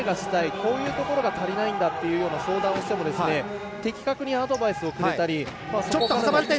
こういうところが足りないんだというような相談をしても的確にアドバイスをくれたり。